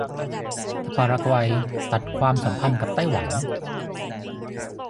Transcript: ถ้าปารากวัยตัดความสัมพันธ์กับไต้หวัน